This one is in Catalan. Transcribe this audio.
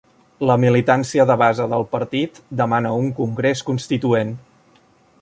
La militància de base del partit demana un congrés constituent